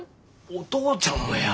お父ちゃんもや。